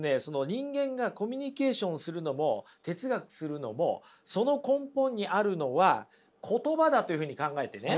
人間がコミュニケーションするのも哲学するのもその根本にあるのは言葉だというふうに考えてね。